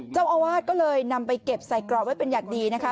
เจ้าอาวาสก็เลยนำไปเก็บใส่กรอบไว้เป็นอย่างดีนะคะ